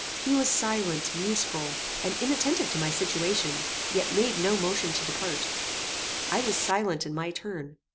He was silent, museful, and inattentive to my situation, yet made no motion to depart. I was silent in my turn.